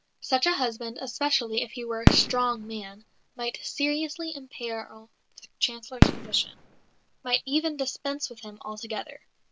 Such a husband, especially if he were a strong man, might seriously imperil the Chancellor's position; might even dispense with him altogether.